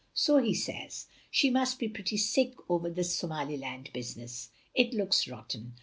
"So he says. She must be pretty sick over this Somaliland business. It looks rotten.